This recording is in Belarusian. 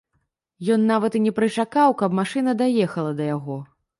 Ён нават і не прычакаў, каб машына даехала да яго.